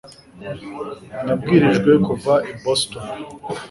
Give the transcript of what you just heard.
nabwirijwe kuva i boston